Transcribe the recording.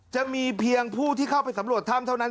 จะมีเพียงผู้ที่เข้าไปสำรวจถ้ำเท่านั้น